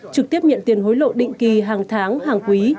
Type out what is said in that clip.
trực tiếp nhận tiền hối lộ định kỳ hàng tháng hàng quý